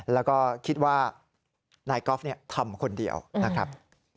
แล้วก็คิดว่านายกอล์ฟทำคนเดียวนะครับ